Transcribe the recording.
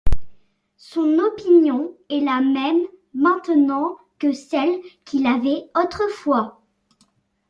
Son opinion est la même maintenant que celle qu’il avait autrefois.